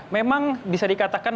memang bisa dikatakan